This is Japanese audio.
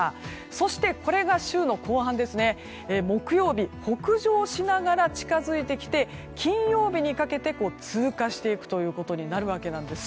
そして、これが週の後半木曜日北上しながら近づいてきて金曜日にかけて通過していくということになるわけなんです。